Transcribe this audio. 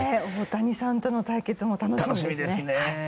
大谷さんとの対決も楽しみですね。